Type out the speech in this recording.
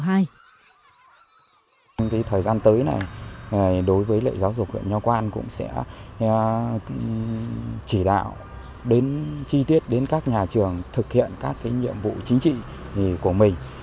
trong thời gian tới này đối với lệ giáo dục huyện nho quang cũng sẽ chỉ đạo đến chi tiết đến các nhà trường thực hiện các nhiệm vụ chính trị của mình